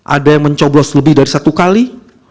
ada yang mencoblos lebih dari satu kali